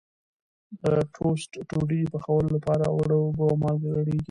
د ټوسټ ډوډۍ پخولو لپاره اوړه اوبه او مالګه ګډېږي.